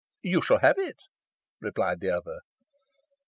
"You shall have it," replied the other.